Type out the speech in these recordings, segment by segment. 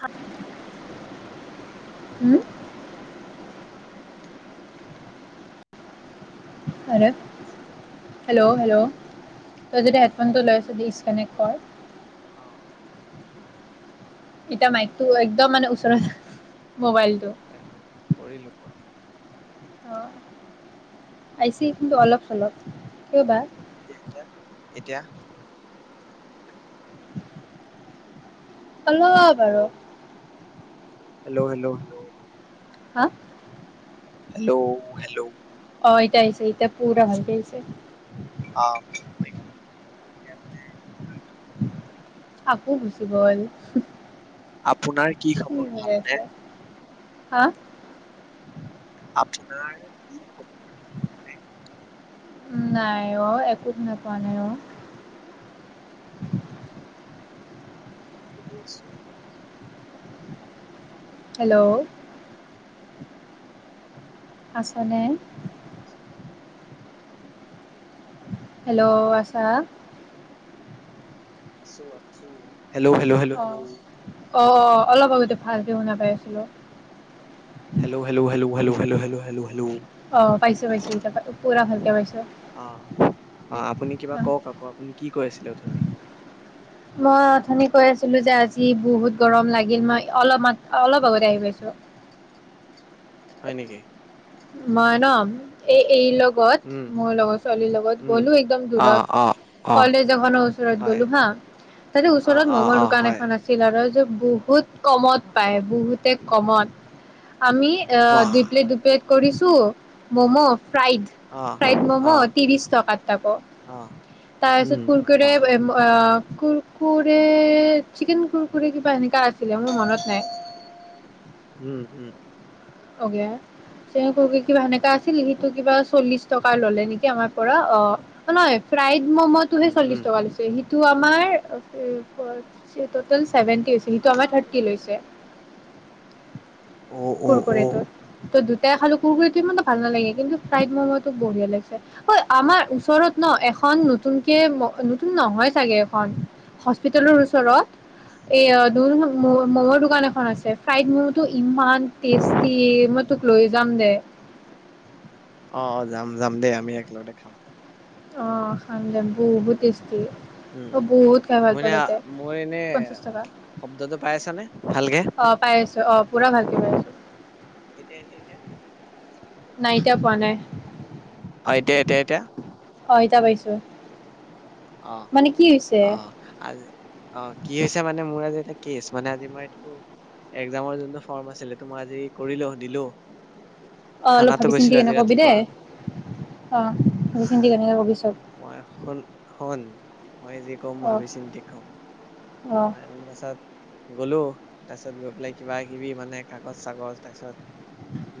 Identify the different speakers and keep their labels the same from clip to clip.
Speaker 1: হ
Speaker 2: হেল্ল'
Speaker 1: উম
Speaker 2: [inaudible] শুনি আছেনে আপুনি
Speaker 1: হেল্ল' হেল্ল' তই যেতিয়া হেডফোনটো লৈ আছ ডিচকানেক্ট
Speaker 2: হেল্ল'
Speaker 1: হ [unintelligible]
Speaker 2: অ
Speaker 1: ইতি মাইকটো একদম মানে ওচৰৰত
Speaker 2: হয় হয় কৰিলো কৰিলো
Speaker 1: আহ
Speaker 2: অ
Speaker 1: পাইছে কিন্তু অলপ অলপ কবা
Speaker 2: এতিয়া এতিয়া এতিয়া
Speaker 1: অল
Speaker 2: হেল্ল'
Speaker 1: বাৰু [unintelligible]
Speaker 2: হেল্ল' হেল্ল' হেল্ল'
Speaker 1: হয়
Speaker 2: হেল্ল' হেল্ল'
Speaker 1: অ এট আহছে ইতিয়া পুৰা হৈত আহিছে
Speaker 2: অ এতিয়া মানে আপোনাৰ কি সময় হয় ই
Speaker 1: আকৌ গুচি গল
Speaker 2: আপোনাৰ কি খবৰ
Speaker 1: হৈ
Speaker 2: ভাল নে?
Speaker 1: আছে হা
Speaker 2: আপোনাৰ কি খবৰ ভালনে
Speaker 1: উ নাই অ একো নাপোৱা নাই অ
Speaker 2: মই সুধি আছো আপোনাৰ কি খবৰ
Speaker 1: হেল্ল' আচনে হেল্ল' আশা
Speaker 2: আছোঁ আছোঁ হেল্ল' হেল্ল' হেল্ল' হেল্ল'
Speaker 1: অ' অ অ অলপ আগতে ভালক শুনা পাই আছিলো।
Speaker 2: হেল্' হেল্' হেল্' হেল্' হেলল হেলল হেল্'হেল্ল
Speaker 1: আহ পাইছো পাইছো এতিয়া পুৰা ভালকে
Speaker 2: অ
Speaker 1: পাইছো।
Speaker 2: অ আপুনি কিবা কওক আকৌ আপুনি কি কৈ আছিলে অথুনি
Speaker 1: মই অথনি কৈ আছিলো যে আজি বহুত গৰম লাগিল মই অলপ মাত অলপ আগতে আহি পাইছো।
Speaker 2: হয় নেকি
Speaker 1: মই ন এই এই লগ লগত
Speaker 2: উম,
Speaker 1: মোৰ লগৰ ছোৱালীৰ লগত
Speaker 2: উম।
Speaker 1: গ'লো একদম দূৰত
Speaker 2: অ', অ', অ',
Speaker 1: কলেজ এখনৰ ওচৰত
Speaker 2: হয়।
Speaker 1: গ'লো হা তাতে
Speaker 2: অ',
Speaker 1: ওচৰত
Speaker 2: অ',
Speaker 1: মমৰ
Speaker 2: অ',
Speaker 1: দোকান
Speaker 2: হয়।
Speaker 1: এখন আছিল আৰু যে বহুত কমত
Speaker 2: অ',
Speaker 1: পায়
Speaker 2: অ',
Speaker 1: বহুতে কমত আমি অ দুইপ্লেট
Speaker 2: বাহ!
Speaker 1: দুইপ্লেট কৰিছো ম'ম ফ্ৰাইড
Speaker 2: অ',
Speaker 1: ফ্ৰাইড মম'
Speaker 2: অ',
Speaker 1: ত্ৰিশ টকাত তাকো
Speaker 2: অ',
Speaker 1: তাৰপিছত
Speaker 2: উম, বাহ!
Speaker 1: কুৰকুৰী কুৰকুৰে চিকেন কুৰকুৰে এনেকা কিবা মোৰ মনত নাই
Speaker 2: উম, উম,
Speaker 1: [unintelligible] কিবা সেনেকা আছিল সেইটো কিবা চল্লিশ টকা ললে নেকি আমাৰ পৰা অ নহয় ফ্ৰাইড ম'ম' টোহে
Speaker 2: উম, উম।
Speaker 1: চল্লিশ টকা লৈছে সিটো আমাৰ [unintelligible] টটেলচ [unintelligible]
Speaker 2: অ', অ',
Speaker 1: কুৰকুুৰ
Speaker 2: অ',
Speaker 1: [unintelligible] তাতে খালো‌ কুৰকুৰীটো ইমান‌ এটা ভাল নালাগে কিন্তু ফ্ৰাইড ম'মটো বঢ়িয়া লাগিছে। ঐ আমাৰ ওচৰত ন এখন নতুন কে নতুন নহয় চাগে এই খন সচপিতেল ওচৰত দো। ম
Speaker 2: উম,
Speaker 1: মৰ দোকান এখন আছে। ফ্ৰাইড মমূ টো ইমান। টেচষ্টি মই তোক লৈ যাম দে।
Speaker 2: অ অ যাম যাম দেই আমি একেলগতে খাম।
Speaker 1: অ খাম দে বহুত টেচটি হয়।
Speaker 2: উম,
Speaker 1: অ
Speaker 2: উম।
Speaker 1: বহুত খায় ভাল
Speaker 2: মোৰ এনে
Speaker 1: পাওঁ তাতে
Speaker 2: মোৰ এনে
Speaker 1: পঞ্চাশ টকা
Speaker 2: শব্দটো পাই আছানে ভালকে?
Speaker 1: অ পাই আছো অ পুৰা ভালকে পাই আছো।
Speaker 2: উ উ [unintelligible]
Speaker 1: নাই এতিয়া পোৱা নাই।
Speaker 2: অ এতিয়া এতিয়া এতিয়া।
Speaker 1: অ' এতিয়া পাইছোঁ।
Speaker 2: অহ অহ আজি। অ কি হৈছে। মানে মোৰ আজি এ কেচ মানে আজি মই এইটো একজামৰ যিটো ফৰ্ম আছিল সেইটো মই আজি কৰিলো দিলো।
Speaker 1: অ অলপ
Speaker 2: থানাতো
Speaker 1: ভাবি চিন্তি
Speaker 2: গৈছিলো আজি
Speaker 1: কেনে কবি
Speaker 2: ৰাতিপুৱা
Speaker 1: দেই অ ভাবি চিন্তি কেনে কবিছো।
Speaker 2: মই সোন সোন। মই যি ক'ম
Speaker 1: অ'
Speaker 2: ভাবি চিন্তি কম
Speaker 1: অ'
Speaker 2: মই পিছত। গ'লো তাৰপিছত গৈ পেলাই কিবা কিবি মানে কাগজ চাগজ তাৰ পিছত।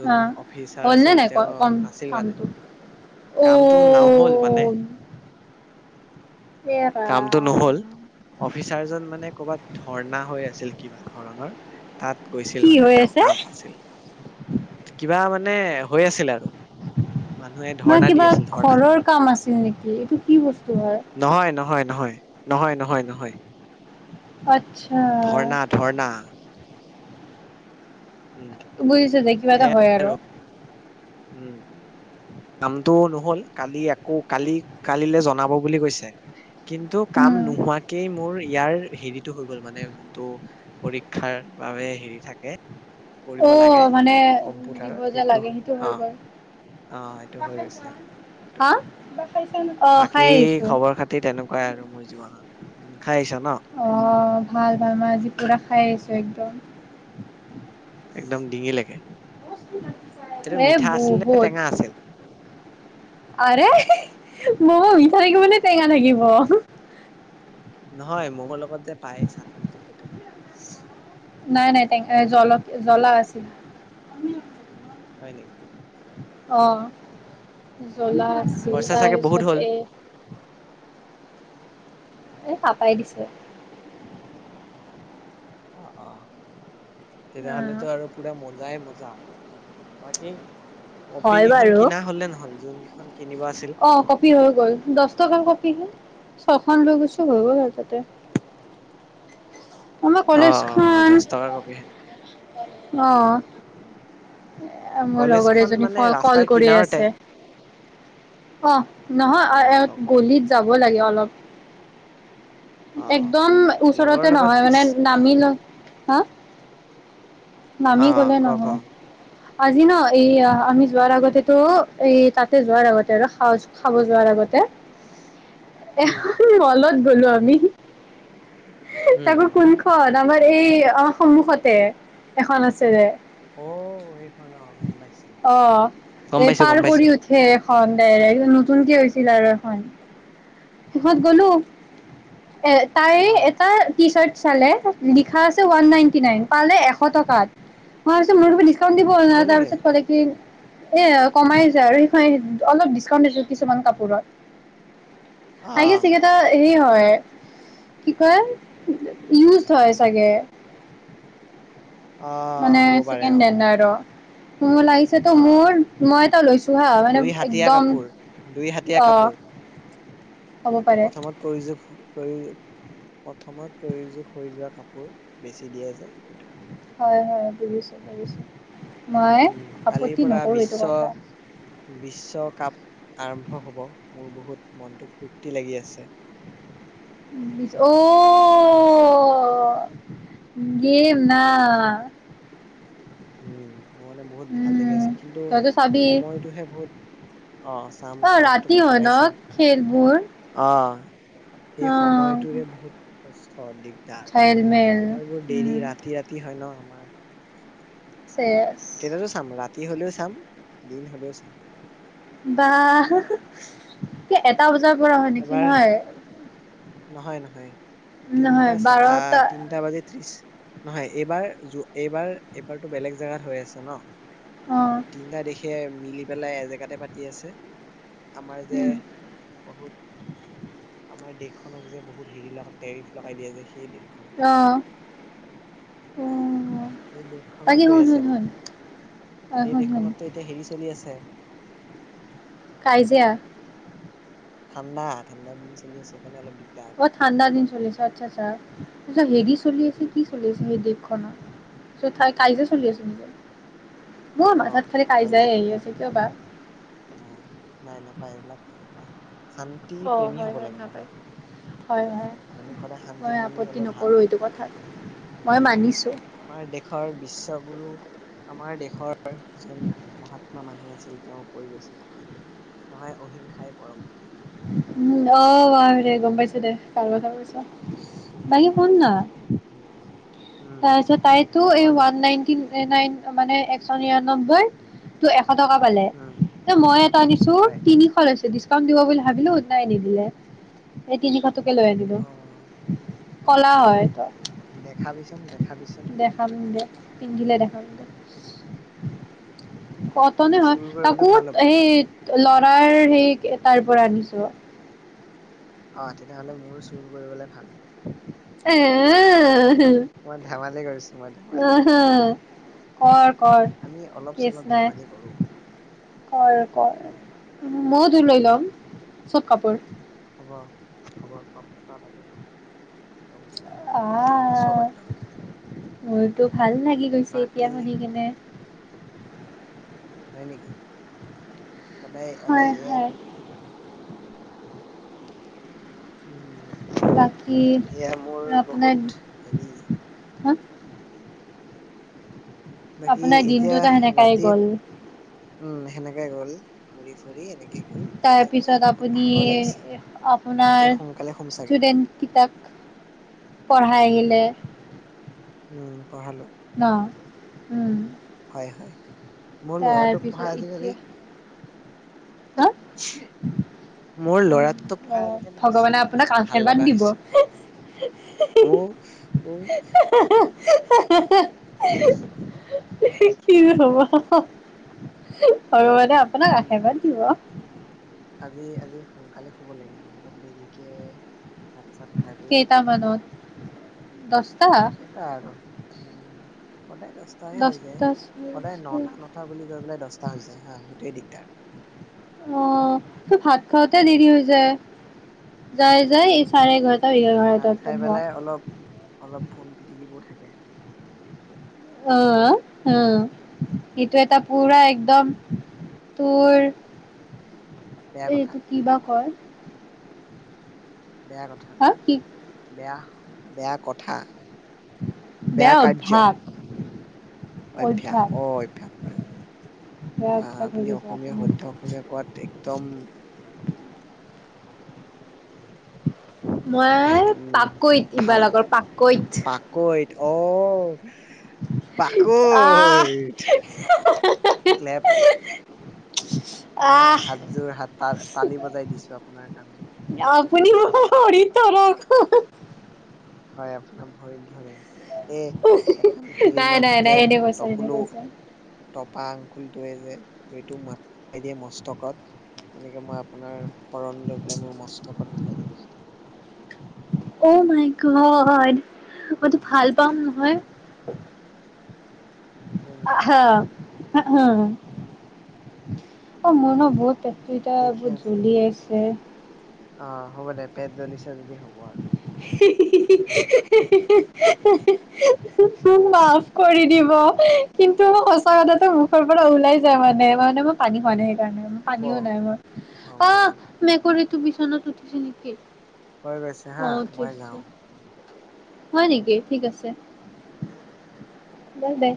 Speaker 2: যোন
Speaker 1: অ'
Speaker 2: অফিচাৰ
Speaker 1: হ'ল নে
Speaker 2: আছিল
Speaker 1: নাই ক
Speaker 2: তেওঁ
Speaker 1: কম
Speaker 2: নাছিল মানে
Speaker 1: কামটো
Speaker 2: কামটো নহল মানে।
Speaker 1: অ' এ
Speaker 2: কামটো নহ'ল
Speaker 1: ৰাম
Speaker 2: অফিচাৰজন মানে ক'বাত ধৰ্ণা হৈ আছিল। কিবা ধৰণৰ। তাত গৈছিল
Speaker 1: কি
Speaker 2: মানে
Speaker 1: হৈ
Speaker 2: তেওঁ
Speaker 1: আছে
Speaker 2: কাম আছিল কিবা মানে। মানে। হৈ আছিল আৰু মানুহে
Speaker 1: বা
Speaker 2: ধৰ্ণা দি
Speaker 1: কিবা
Speaker 2: আছিল ধৰ্ণা।
Speaker 1: ঘৰৰ কাম নেকি এইটো কি বস্তু হয়।
Speaker 2: নহয় নহয় নহয় নহয় নহয় নহয়।
Speaker 1: আচ্ছা।
Speaker 2: ধৰ্ণা ধৰ্ণা উম
Speaker 1: বুজিছা যে কিবা এটা হয় আৰু।
Speaker 2: উম কামটো নহল কালি আকৌ কালি কালিলৈ জনাব বুলি কৈছে। কিন্তু কাম
Speaker 1: উম
Speaker 2: নোহোৱাকেই মোৰ। ইয়াৰ হেৰিতটো হৈ গ'ল মানে যোনটো পৰীক্ষাৰ বাবে হেৰি থাকে।
Speaker 1: অ
Speaker 2: কৰিব লাগে
Speaker 1: মানে দিব
Speaker 2: কম্পিউটাৰত
Speaker 1: যে লাগে সেইটো
Speaker 2: অ
Speaker 1: হৈ গ'ল।
Speaker 2: অ সেইটো হৈ গৈছে অ সেইটোৱে
Speaker 1: হা। অ'
Speaker 2: বাকী
Speaker 1: খাই আহিছোঁ।
Speaker 2: খবৰ খাতি তেনেকুৱাই আৰু মোৰ জীৱনত। উম খাই আহিছা ন
Speaker 1: অ ভাল ভাল মই আজি পোৰা খাই আহিছোঁ একদম
Speaker 2: একদম ডিঙি লৈকে
Speaker 1: এ
Speaker 2: নে
Speaker 1: বহু
Speaker 2: টেঙা আছিল?
Speaker 1: আৰে মম কেনেকেই থাকিব নে টেঙা থাকিব
Speaker 2: নহয় মোৰোক লগত যে পায় চাটনিটো সেইটো
Speaker 1: নাই নাই। টেঙা কল জ্বলা আছিল
Speaker 2: হয় নেকি?
Speaker 1: অ উম জ্বলা আছিল
Speaker 2: খৰচা চাগে বহুত
Speaker 1: তাৰপিছত
Speaker 2: হ'ল?
Speaker 1: এই এ পাপাই দিছে
Speaker 2: অ অ তেতিয়া
Speaker 1: অ'
Speaker 2: হ'লেতো আৰু পোৰা মজাই মজাই বা মই কে কপি
Speaker 1: হয়
Speaker 2: কেইখন
Speaker 1: বাৰু।
Speaker 2: কিনা হলে নহল যোন কেইখন কিনিব আছিল?
Speaker 1: অ কপি হৈ গ'ল দহ টকা কপি হে ছয়ঁ খন লৈ গৈছো হৈ গ'ল তাতে আমাৰ
Speaker 2: অ অ অ দচ টকাৰ কপিহে নেকি
Speaker 1: আহ মোৰ লগৰ
Speaker 2: কলেজখন
Speaker 1: এজনী
Speaker 2: মানে
Speaker 1: কল
Speaker 2: ৰাস্তাৰ
Speaker 1: কৰি
Speaker 2: কিনাৰতে
Speaker 1: আছে অ
Speaker 2: হ'ব
Speaker 1: নহয়
Speaker 2: লগ অ',
Speaker 1: গলিত যা খাব লাগে অলপ
Speaker 2: অ'।
Speaker 1: একদম
Speaker 2: লগৰ
Speaker 1: ওচৰতে
Speaker 2: লগত
Speaker 1: নহয়
Speaker 2: পিছ
Speaker 1: মানে
Speaker 2: অ',
Speaker 1: নামি ল হা নামি
Speaker 2: অ',
Speaker 1: গলে
Speaker 2: ক ক
Speaker 1: নহয় আজি ন এই আমি যোৱাৰ আগতেতো এই তাতে যোৱাৰ আগতে আৰু খাব যোৱাৰ আগতে
Speaker 2: উম,
Speaker 1: এহু মলত হ'লো আৰু আমি হু
Speaker 2: উম।
Speaker 1: তাকে কোনখন আমাৰ এই অ সন্মুখতে এখন আছে যে
Speaker 2: অ', সেইখন অ', গম পাইছোঁ
Speaker 1: অ
Speaker 2: গম
Speaker 1: এই
Speaker 2: পাইছোঁ
Speaker 1: পাৰ
Speaker 2: গম
Speaker 1: কৰি
Speaker 2: পাইছোঁ অ',
Speaker 1: উঠে এখন এই নতুন কে হৈছে জিলাৰখন
Speaker 2: উম,
Speaker 1: সোখত
Speaker 2: অ',
Speaker 1: গ'লো এ তাই
Speaker 2: অ',
Speaker 1: এটা টি চাৰ্ট চালে লিখা আ [unintelligible] ওৱান নাইণ্টি নাইন
Speaker 2: অ',
Speaker 1: পালে এশ টকা ছে মোৰ দি [unintelligible] দিব
Speaker 2: কেনেকে?
Speaker 1: তাৰপিছত ক'লে কি এ কমাইছো আৰু সেই অলপ ডিচকাউন্ট দিছো কিছুমান কাপোৰত আহে চিগ
Speaker 2: অ',
Speaker 1: ত [unintelligible] হয় কি ক ইজ হয় চাগে
Speaker 2: অ',
Speaker 1: মানে
Speaker 2: হ'ব পাৰে
Speaker 1: চিকেন দেন দ
Speaker 2: অ',
Speaker 1: আৰু [unintelligible] ম লাগিছে তো
Speaker 2: অ',
Speaker 1: মোৰ মই এটা লৈছো হা মানে
Speaker 2: দুই হাতীয়া
Speaker 1: একদম
Speaker 2: কাপোৰ, দুই হাতীয়া
Speaker 1: অ
Speaker 2: কাপোৰ
Speaker 1: হ'ব পাৰে
Speaker 2: প্ৰথমত প্ৰয়োগ হওক প্ৰয়ো প্ৰথমত প্ৰয়োজোগ হৈ যোৱা কাপোৰ বেছি দিয়ে যে সেইটো
Speaker 1: হয় হয় বুজিছোঁ বুজিছোঁ মই
Speaker 2: উম কালিৰ
Speaker 1: আপত্তি
Speaker 2: পৰা
Speaker 1: নকৰোঁ এইটো
Speaker 2: বিশ্ব
Speaker 1: কথা
Speaker 2: বিশ্বকাপ আৰম্ভ হব মোৰ বহুত মনটো ফূৰ্তি লাগি আছে
Speaker 1: অ' গম ন [unintelligible]
Speaker 2: উম মোৰ মানে বহুত ভাল লাগি
Speaker 1: উম
Speaker 2: আছে কিন্তু
Speaker 1: তইতো চাবি
Speaker 2: সময়টোহে বহুত অ চাম
Speaker 1: অ'
Speaker 2: চোৱাটোতো
Speaker 1: ৰাতি
Speaker 2: মই
Speaker 1: হয় ন
Speaker 2: সদায় চাম
Speaker 1: খেলবোৰ
Speaker 2: অ [unintelligible] সেই
Speaker 1: অ'
Speaker 2: সময়টোৰে বহুত [inaudible] অ দিগদাৰ
Speaker 1: খেলমেল
Speaker 2: সময়বোৰ দেৰি
Speaker 1: উম
Speaker 2: ৰাতি ৰাতি হয় ন আমাৰ
Speaker 1: চেছ
Speaker 2: তেৰটো চাম ৰা [unintelligible] কি হ'লেও চাম দিন হ'লেও চাম
Speaker 1: বাহ [unintelligible] এটা বজাৰ কৰা হয় নেকি
Speaker 2: এবাৰ
Speaker 1: নহয়
Speaker 2: নহয় নহয়
Speaker 1: নহয়
Speaker 2: তিনিটা চ
Speaker 1: বাৰটা
Speaker 2: তিনিটা বাজে ত্ৰিশ নহয় এইবাৰ এইবাৰ এইবাৰতো বেলেগ জেগাত হৈ আছে ন
Speaker 1: অ'
Speaker 2: তিনিটা দেখে মিলি পেলাই এজেগাতে পাতি আছে আমাৰ যে
Speaker 1: উম
Speaker 2: বহুত আমাৰ দেশখনক যে বহুত হেৰি লগা টেৰিফ লগাই দিয়া যে সেই দেশ
Speaker 1: অ' অ'
Speaker 2: আহ সেই
Speaker 1: বাকী
Speaker 2: দেশখনত হৈ
Speaker 1: শুন শুন
Speaker 2: আছে
Speaker 1: শুন
Speaker 2: মানে
Speaker 1: অ'
Speaker 2: সেই
Speaker 1: শুন শুন
Speaker 2: দেশখনতো এতিয়া হেৰি চলি আছে ছয়
Speaker 1: কাই যেিয়
Speaker 2: ঠাণ্ডা ঠাণ্ডা দিন চলি আছে সেইকাৰণে অলপ দিগদাৰ
Speaker 1: বত ঠাণ্ডা দিন চলিছে আচ্ছা আচ্ছা তিছত হেৰি চলি আছে
Speaker 2: উম
Speaker 1: কি চল আছে সেই দেখ তাই কাই যে চলি আছ নিজ
Speaker 2: অ তাজ তাজি
Speaker 1: কিয় বা।
Speaker 2: অ নাই নাপায় এইবিলাকা শান্তি
Speaker 1: অ
Speaker 2: প্ৰেমী
Speaker 1: হয়
Speaker 2: হব
Speaker 1: হয়
Speaker 2: লাগে
Speaker 1: নাপায়।
Speaker 2: মানুহ
Speaker 1: হয় হয়
Speaker 2: মানুহ সদায় শান্তি
Speaker 1: মই
Speaker 2: প্ৰেমী
Speaker 1: আপত্তি
Speaker 2: হলে ভাল
Speaker 1: নকৰো এইটো কথাত মই মানিছো।
Speaker 2: আমাৰ দেশৰ বিশ্ব গুৰু আমাৰ দেশৰ এজন মহাত্মা মানুহ আছে তেওঁ কৈ গৈছিল কি অন্যায় অহিংসাই পৰম ধৰ্ম
Speaker 1: কোৱা দে গম পাইছ দে কাৰ কথা কৈছ বাকী শুন না
Speaker 2: উম উম
Speaker 1: তাৰপিছত তাইতো এই
Speaker 2: কৰ না
Speaker 1: ওৱান নাইনটি নাইন মানে এশ নিৰান্নব্বৈ ত এশ টকা পালে
Speaker 2: উম
Speaker 1: মই এটা আনিছো
Speaker 2: হয়
Speaker 1: তিনিশলৈ ডিছকাউণ্ট দিব বুলি ভাবিলো নাই নিদিলে সেই তিনিশ টকা তোকে লৈ আনিলো
Speaker 2: অ
Speaker 1: কলা হয় ত
Speaker 2: দেখা পিছ দেখাবিচোন
Speaker 1: দে পিন্ধিলে দেখাম দে
Speaker 2: উম
Speaker 1: কতনে হয়
Speaker 2: চুৰ কৰিবলে
Speaker 1: তাকোত
Speaker 2: ভাল হ'ব
Speaker 1: সেই লৰাৰ সেই তাৰ পৰা আনিছো
Speaker 2: অ তেতিয়াহ'লে মোৰ চুৰ কৰিবলে ভাল হ'ব
Speaker 1: আহ
Speaker 2: মই ধেমালি কৰিছো মই ধেমালি ধেমালি
Speaker 1: অ কৰ
Speaker 2: আমি অলপ
Speaker 1: কেচ
Speaker 2: চলপ
Speaker 1: নাই
Speaker 2: ধেমালি কৰো
Speaker 1: কৰ
Speaker 2: উম
Speaker 1: কৰ মত ৰ লৈ লম চব কাপোৰ
Speaker 2: অ খবৰ চব এটা লাগে চব
Speaker 1: আহ
Speaker 2: একদম
Speaker 1: মোৰতো ভাল লাগি গৈছে এতিয়া
Speaker 2: বাকী
Speaker 1: শুনি কিনে
Speaker 2: হয় নেকি? অনে আনে
Speaker 1: হয়
Speaker 2: এয়
Speaker 1: হয়
Speaker 2: উম
Speaker 1: বাকী
Speaker 2: এয়া মোৰ বহুত
Speaker 1: আপোনাৰ
Speaker 2: হেৰি
Speaker 1: হা
Speaker 2: বাকী
Speaker 1: আপোনাৰ
Speaker 2: এতিয়া
Speaker 1: দিনটোতো সেনেকাই
Speaker 2: ৰাতি
Speaker 1: গ'ল
Speaker 2: উম সেনেকে গ'ল ঘৰি
Speaker 1: তাৰপিছত আপুনি
Speaker 2: ভাগৰ লাগিছে আজি
Speaker 1: আপোনাৰ
Speaker 2: সোনকালে শুম চাগে
Speaker 1: ষ্টুডেন্ট কটাক পঢ়াই আহিলে
Speaker 2: উম পঢ়ালো
Speaker 1: ন উম
Speaker 2: হয় হয় মোৰ ল'ৰাটোক পঢ়া
Speaker 1: তাৰপিছত
Speaker 2: আজিকালি
Speaker 1: এতিয়া হা
Speaker 2: মোৰ
Speaker 1: উম,
Speaker 2: লৰাটো
Speaker 1: অ
Speaker 2: পঢ়াই আজিকালি বেছি
Speaker 1: ভগৱানে আপোনাক
Speaker 2: মানে ভাল
Speaker 1: আশীৰ্বাদ
Speaker 2: লগা
Speaker 1: দিব
Speaker 2: হৈছে উ উ [unintelligible]
Speaker 1: হি হ [unintelligible] হু হি হি হি [unintelligible] হ'বা [unintelligible] হয় ভগবানে আপোনাক
Speaker 2: উম
Speaker 1: আশিবাদ দিব
Speaker 2: আজি আজি সোনকালে শুব লাগিব, অলপ দেৰিকে ভাত চাত খাই পেলাই
Speaker 1: কেইটামানত দচটা।
Speaker 2: কেইটা আৰু উম। সদায় দহটাই হৈ যায়,
Speaker 1: দছটা
Speaker 2: সদায় নটা, নটা বুলি গৈ পেলাই, দহটা হৈ যায় হা সেইটোৱে দিগদাৰ। [inaudible]
Speaker 1: অ, তোৰ ভাত খাওঁতে, দেৰি হৈ যায়। যাই যাই এই
Speaker 2: উম,
Speaker 1: চাৰে এঘাৰটা
Speaker 2: ভাত
Speaker 1: এঘাৰটা
Speaker 2: খাই
Speaker 1: হোৱা
Speaker 2: পেলাই, অলপ অলপ ফোন পিটিকিব। থাকে।
Speaker 1: অ, অ, এইটো এটা পুৰা একদম তোৰ
Speaker 2: বেয়া
Speaker 1: এই
Speaker 2: কথা
Speaker 1: এইটো, কি বা কয় [unintelligible]
Speaker 2: বেয়া কথা,
Speaker 1: হা
Speaker 2: বেয়া কথা,
Speaker 1: কি
Speaker 2: বেয়া। বেয়া কথা। বেয়া কাৰ্য্য, অভ্যাস অ, অভ্যাস হয়, হয়,
Speaker 1: সেয়া
Speaker 2: বা
Speaker 1: অভ্যাস হৈ
Speaker 2: আপুনি
Speaker 1: গৈছে
Speaker 2: অসমীয়া
Speaker 1: আপোনাৰ।
Speaker 2: শুদ্ধ অসমীয়া কোৱাত একদম। ভে
Speaker 1: মই
Speaker 2: উম
Speaker 1: পাকৈত, এইবাৰ
Speaker 2: ভাল
Speaker 1: লগৰ পাকৈত।
Speaker 2: পাকৈত অ।
Speaker 1: আহ খি
Speaker 2: পাকৈত
Speaker 1: খিহ
Speaker 2: ক্লেপ
Speaker 1: [unintelligible]
Speaker 2: মই হাতযোৰ হাত তাল তালি বজাই দিছো আপোনাৰ কাৰণে
Speaker 1: শুনিৰ শুনি তাৰ [unintelligible]
Speaker 2: হয় আপোনাৰ ভৰি এই এখন
Speaker 1: নাই
Speaker 2: ফিল্মত
Speaker 1: নাই নাই
Speaker 2: যে
Speaker 1: এনে কৈছো এনে
Speaker 2: ট'কলো
Speaker 1: কৈছো।
Speaker 2: পাহ আংকুল তয়ে যে ভৰিটো মাই দিয়ে মস্তকত তেনেকে মই আপোনাৰ শৰণ লৈ পেলাই মোৰ মস কত উঠাই দিম
Speaker 1: অ মাই গদ মইতো ভাল পাম নহয়
Speaker 2: হয় নেকি
Speaker 1: হা হা অ
Speaker 2: উম
Speaker 1: মোৰণ
Speaker 2: উম
Speaker 1: বহুত পেত
Speaker 2: ঠিকে
Speaker 1: বহুত
Speaker 2: আছে
Speaker 1: জ্বলি আছে
Speaker 2: অ হ'ব দে পেট জ্বলিছে ই যদি হ'ব আৰু
Speaker 1: হি হি হি হি হে মাফ কৰি দিব কিন্তু সঁচা কথাটো মুখৰ পৰা ওলাই যায় মানে মানে মই পানী খোৱা নাই
Speaker 2: হ'ব
Speaker 1: পানীও নাই মই
Speaker 2: হ'ব
Speaker 1: অ
Speaker 2: আৰু
Speaker 1: মেকুৰীতটো বি [unintelligible]
Speaker 2: হৈ, গৈছে হা মই যাওঁ।
Speaker 1: হয় নেকি ঠিক আছে। ব দে